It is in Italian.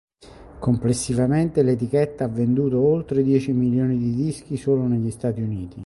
Complessivamente l'etichetta ha venduto oltre dieci milioni di dischi solo negli Stati Uniti.